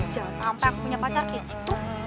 jangan sampai aku punya pacar kayak gitu